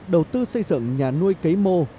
đầu tư xây dựng nhà nuôi cấy mô